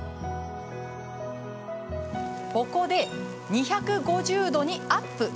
ここで、２５０度にアップ。